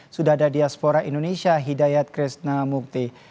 sudah ada diaspora indonesia hidayat krisna mukti